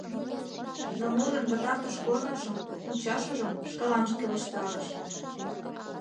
Но мурын пытартыш корныжым, мучашыжым, шкаланже келыштарыш: